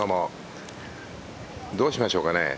どうしましょうかね。